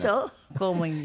公務員に。